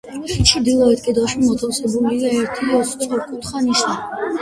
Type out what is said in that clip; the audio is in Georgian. ჩრდილოეთ კედელში მოთავსებულია ერთი სწორკუთხა ნიშა.